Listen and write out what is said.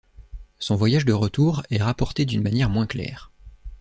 Son voyage de retour est rapporté d'une manière moins claire.